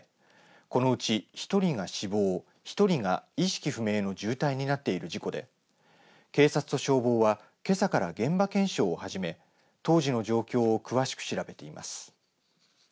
このうち１人が死亡１人が意識不明の重体になっている事故で警察と消防はけさから現場検証を始め当時の状況を詳しく調べています。